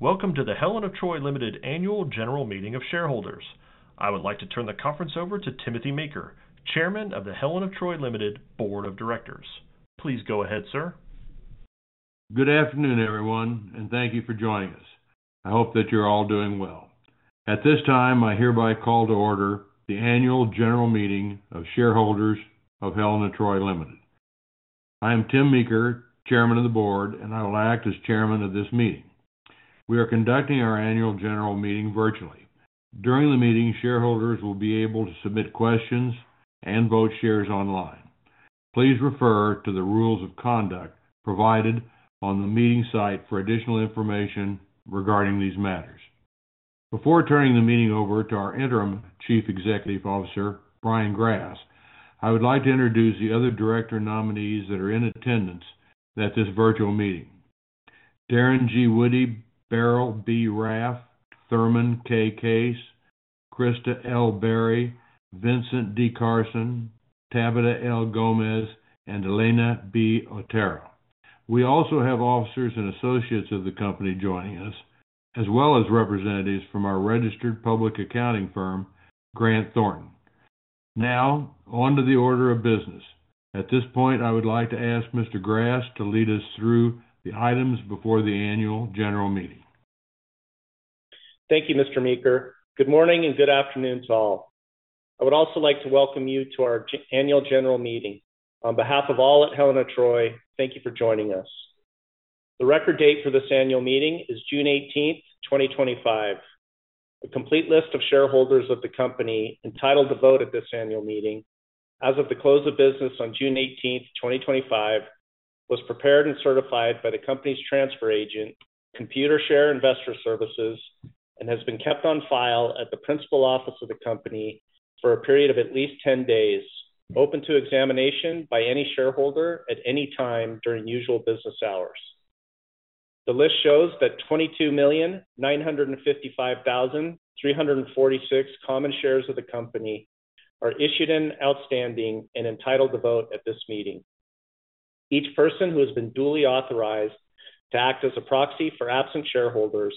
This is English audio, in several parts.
Welcome to the Helen of Troy Limited Annual General Meeting of Shareholders. I would like to turn the conference over to Timothy Meeker, Chairman of the Helen of Troy Limited Board of Directors. Please go ahead, sir. Good afternoon, everyone, and thank you for joining us. I hope that you're all doing well. At this time, I hereby call to order the Annual General Meeting of Shareholders of Helen of Troy Limited. I am Tim Meeker, Chairman of the Board, and I will act as Chairman of this meeting. We are conducting our Annual General Meeting virtually. During the meeting, shareholders will be able to submit questions and vote shares online. Please refer to the rules of conduct provided on the meeting site for additional information regarding these matters. Before turning the meeting over to our Interim Chief Executive Officer, Brian Grass, I would like to introduce the other director nominees that are in attendance at this virtual meeting: Darren G. Woody, Beryl B. Rath, Thurman K. Case, Krista L. Berry, Vincent D. Carson, Tabitha L. Gomez, and Elena B. Otero. We also have officers and associates of the company joining us, as well as representatives from our registered public accounting firm, Grant Thornton, LLP. Now, on to the order of business. At this point, I would like to ask Mr. Grass to lead us through the items before the Annual General Meeting. Thank you, Mr. Meeker. Good morning and good afternoon to all. I would also like to welcome you to our Annual General Meeting. On behalf of all at Helen of Troy, thank you for joining us. The record date for this annual meeting is June 18th, 2025. A complete list of shareholders of the company entitled to vote at this annual meeting as of the close of business on June 18th, 2025, was prepared and certified by the company's transfer agent, Computershare Investor Services, and has been kept on file at the principal office of the company for a period of at least 10 days, open to examination by any shareholder at any time during usual business hours. The list shows that 22,955,346 common shares of the company are issued and outstanding and entitled to vote at this meeting. Each person who has been duly authorized to act as a proxy for absent shareholders,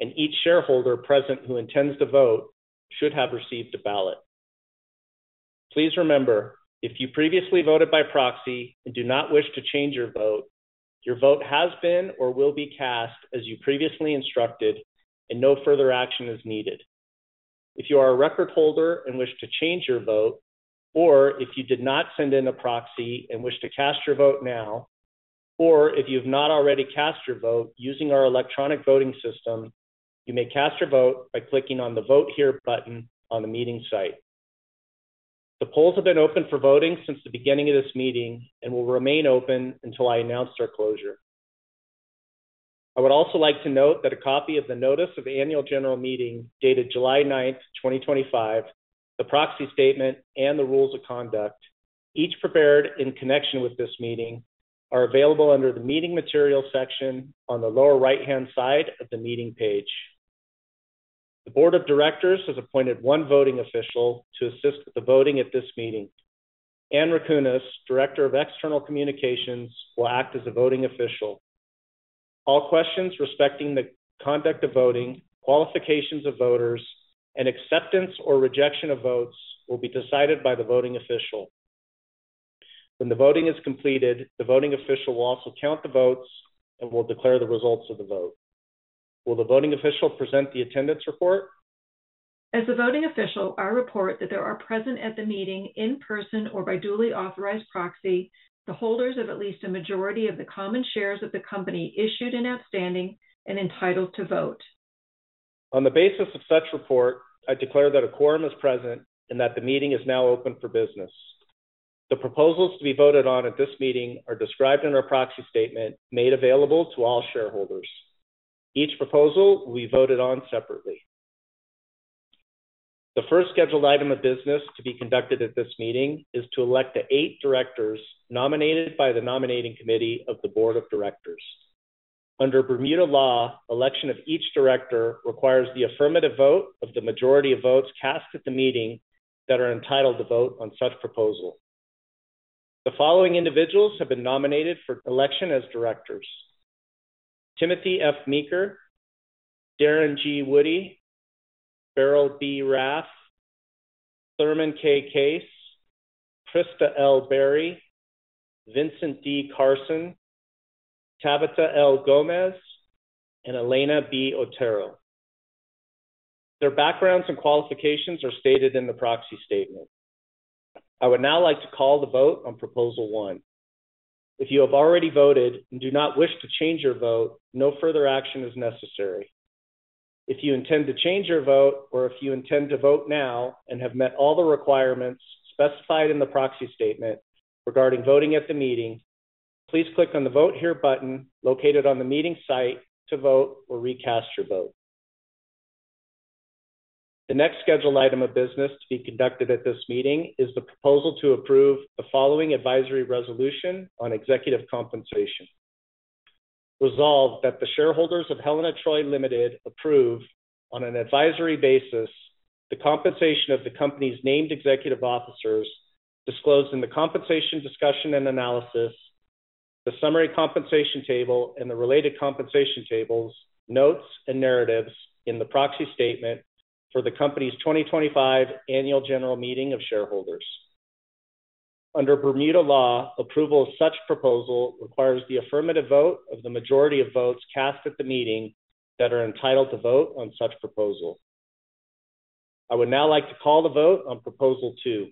and each shareholder present who intends to vote, should have received a ballot. Please remember, if you previously voted by proxy and do not wish to change your vote, your vote has been or will be cast as you previously instructed, and no further action is needed. If you are a record holder and wish to change your vote, or if you did not send in a proxy and wish to cast your vote now, or if you have not already cast your vote using our electronic voting system, you may cast your vote by clicking on the Vote Here button on the meeting site. The polls have been open for voting since the beginning of this meeting and will remain open until I announce their closure. I would also like to note that a copy of the Notice of Annual General Meeting dated July 9, 2025, the proxy statement, and the rules of conduct, each prepared in connection with this meeting, are available under the Meeting Materials section on the lower right-hand side of the meeting page. The Board of Directors has appointed one voting official to assist the voting at this meeting. Anne Rakunas, Director of External Communications, will act as a voting official. All questions respecting the conduct of voting, qualifications of voters, and acceptance or rejection of votes will be decided by the voting official. When the voting is completed, the voting official will also count the votes and will declare the results of the vote. Will the voting official present the attendance report? As the voting official, I report that there are present at the meeting in person or by duly authorized proxy, the holders of at least a majority of the common shares of the company issued and outstanding and entitled to vote. On the basis of such report, I declare that a quorum is present and that the meeting is now open for business. The proposals to be voted on at this meeting are described in our proxy statement made available to all shareholders. Each proposal will be voted on separately. The first scheduled item of business to be conducted at this meeting is to elect the eight directors nominated by the Nominating Committee of the Board of Directors. Under Bermuda law, election of each director requires the affirmative vote of the majority of votes cast at the meeting that are entitled to vote on such proposal. The following individuals have been nominated for election as directors: Timothy F. Meeker, Darren G. Woody, Beryl B. Rath, Thurman K. Case, Krista L. Berry, Vincent D. Carson, Tabitha L. Gomez, and Elena B. Otero. Their backgrounds and qualifications are stated in the proxy statement. I would now like to call the vote on Proposal 1. If you have already voted and do not wish to change your vote, no further action is necessary. If you intend to change your vote, or if you intend to vote now and have met all the requirements specified in the proxy statement regarding voting at the meeting, please click on the Vote Here button located on the meeting site to vote or recast your vote. The next scheduled item of business to be conducted at this meeting is the proposal to approve the following advisory resolution on executive compensation. Resolve that the shareholders of Helen of Troy Limited approve on an advisory basis the compensation of the company's named executive officers disclosed in the compensation discussion and analysis, the summary compensation table, and the related compensation tables, notes, and narratives in the proxy statement for the company's 2025 Annual General Meeting of Shareholders. Under Bermuda law, approval of such proposal requires the affirmative vote of the majority of votes cast at the meeting that are entitled to vote on such proposal. I would now like to call the vote on Proposal 2.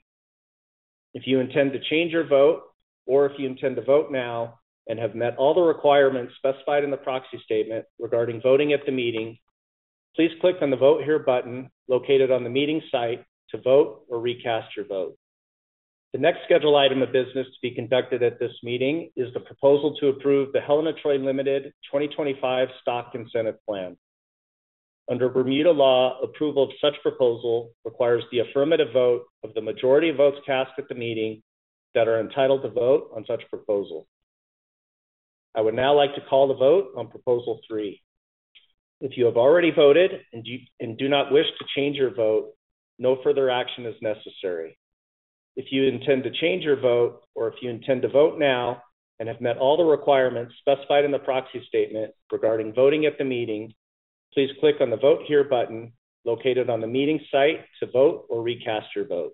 If you intend to change your vote, or if you intend to vote now and have met all the requirements specified in the proxy statement regarding voting at the meeting, please click on the Vote Here button located on the meeting site to vote or recast your vote. The next scheduled item of business to be conducted at this meeting is the proposal to approve the Helen of Troy Limited 2025 Stock Incentive Plan. Under Bermuda law, approval of such proposal requires the affirmative vote of the majority of votes cast at the meeting that are entitled to vote on such proposal. I would now like to call the vote on Proposal 3. If you have already voted and do not wish to change your vote, no further action is necessary. If you intend to change your vote, or if you intend to vote now and have met all the requirements specified in the proxy statement regarding voting at the meeting, please click on the Vote Here button located on the meeting site to vote or recast your vote.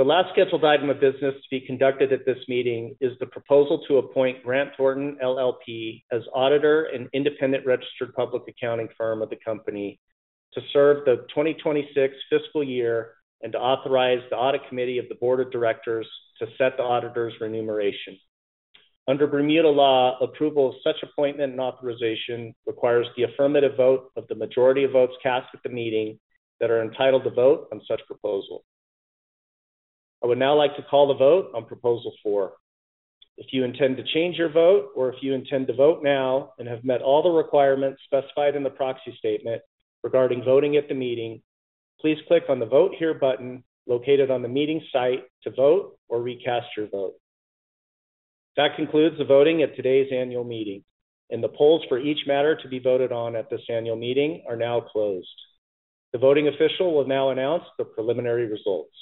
The last scheduled item of business to be conducted at this meeting is the proposal to appoint Grant Thornton, LLP, as auditor in an independent registered public accounting firm of the company to serve the 2026 fiscal year and to authorize the Audit Committee of the Board of Directors to set the auditor's remuneration. Under Bermuda law, approval of such appointment and authorization requires the affirmative vote of the majority of votes cast at the meeting that are entitled to vote on such proposal. I would now like to call the vote on Proposal 4. If you intend to change your vote, or if you intend to vote now and have met all the requirements specified in the proxy statement regarding voting at the meeting, please click on the Vote Here button located on the meeting site to vote or recast your vote. That concludes the voting at today's annual meeting, and the polls for each matter to be voted on at this annual meeting are now closed. The voting official will now announce the preliminary results.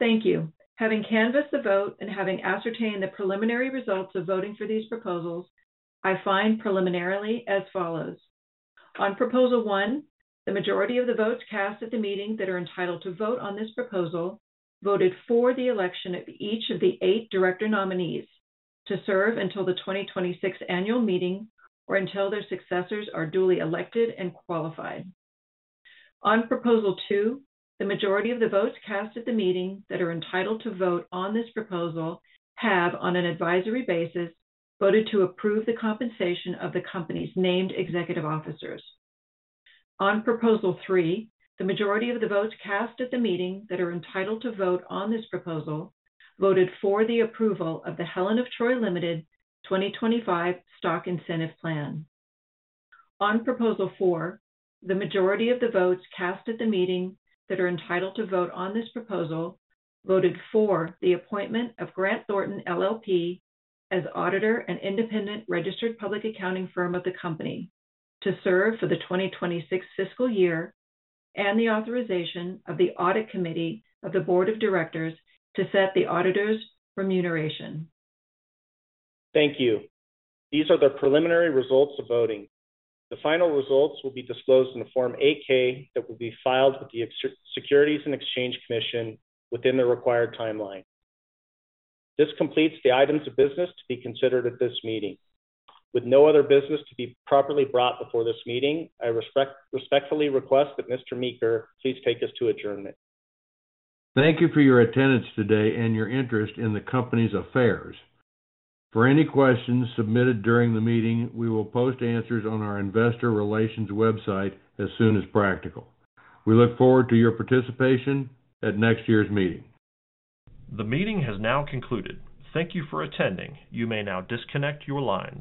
Thank you. Having canvassed the vote and having ascertained the preliminary results of voting for these proposals, I find preliminarily as follows. On Proposal 1, the majority of the votes cast at the meeting that are entitled to vote on this proposal voted for the election of each of the eight director nominees to serve until the 2026 annual meeting or until their successors are duly elected and qualified. On Proposal 2, the majority of the votes cast at the meeting that are entitled to vote on this proposal have, on an advisory basis, voted to approve the compensation of the company's named executive officers. On Proposal 3, the majority of the votes cast at the meeting that are entitled to vote on this proposal voted for the approval of the Helen of Troy Limited 2025 Stock Incentive Plan. On Proposal 4, the majority of the votes cast at the meeting that are entitled to vote on this proposal voted for the appointment of Grant Thornton, LLP, as auditor in an independent registered public accounting firm of the company to serve for the 2026 fiscal year and the authorization of the Audit Committee of the Board of Directors to set the auditor's remuneration. Thank you. These are the preliminary results of voting. The final results will be disclosed in the Form 8-K that will be filed with the Securities and Exchange Commission within the required timeline. This completes the items of business to be considered at this meeting. With no other business to be properly brought before this meeting, I respectfully request that Mr. Meeker please take us to adjournment. Thank you for your attendance today and your interest in the company's affairs. For any questions submitted during the meeting, we will post answers on our investor relations website as soon as practical. We look forward to your participation at next year's meeting. The meeting has now concluded. Thank you for attending. You may now disconnect your lines.